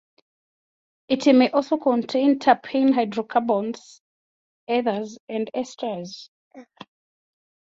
It may also contain terpene hydrocarbons, ethers, and esters.